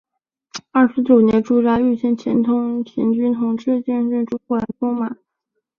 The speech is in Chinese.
二十九年驻扎御前前军统制兼主管中军军马。